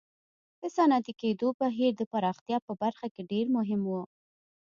د صنعتي کېدو بهیر د پراختیا په برخه کې ډېر مهم و.